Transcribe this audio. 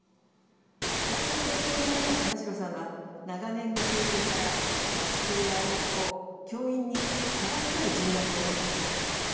大学の教員だった玉城さんは長年の経験から学生や学校教員に幅広い人脈を持っています。